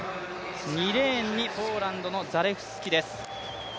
２レーンのポーランドのザレフスキです。